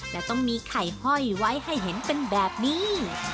และต้องมีไข่ห้อยไว้ให้เห็นเป็นแบบนี้